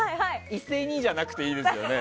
一斉にじゃなくていいですよね。